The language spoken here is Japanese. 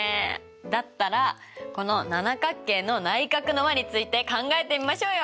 だったらこの七角形の内角の和について考えてみましょうよ！